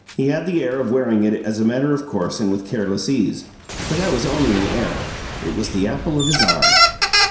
He had the air of wearing it as a matter of course and with careless ease, but that was only an air it was the apple of his eye.